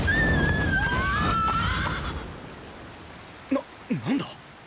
な何だ